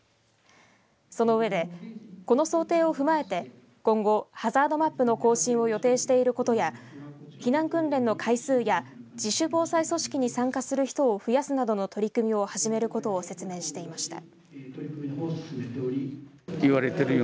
その上で、この想定を踏まえて今後、ハザードマップの更新を予定していることや避難訓練の回数や自主防災組織に参加する人を増やすなどの取り組みを始めることを説明していました。